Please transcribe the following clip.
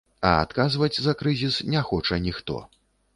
А адказваць за крызіс не хоча ніхто.